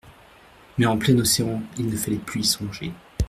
Mais en plein Océan, il ne fallait plus y songer.